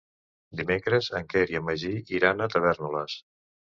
Dimecres en Quer i en Magí iran a Tavèrnoles.